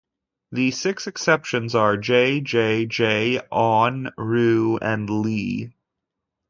The six exceptions are "J", "J", "J", "O'N", "Ru" and "Ly".